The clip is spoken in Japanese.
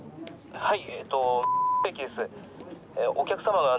はい。